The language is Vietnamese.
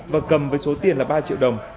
và cầm với số tiền là ba triệu đồng